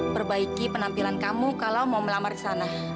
perbaiki penampilan kamu kalau mau melamar di sana